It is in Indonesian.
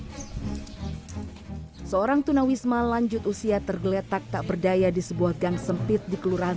hai seorang tunawisma lanjut usia tergeletak tak berdaya di sebuah gang sempit di kelurahan